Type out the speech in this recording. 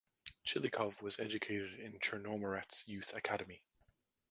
Chilikov was educated in Chernomorets's youth academy.